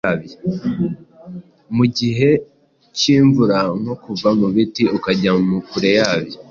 mu gihe cy’imvura nko kuva mu biti ukajya kure yabyo,